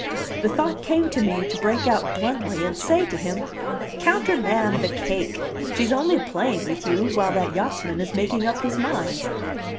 The thought came to me to break out bluntly and say to him: "Countermand the cake! She's only playing with you while that yachtsman is making up his mind."